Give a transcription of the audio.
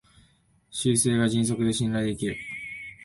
修正が迅速で信頼できる